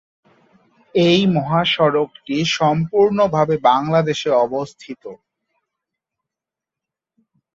এই মহাসড়কটি সম্পূর্ণ ভাবে বাংলাদেশে অবস্থিত।